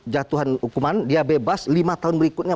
jatuhan hukuman dia bebas lima tahun berikutnya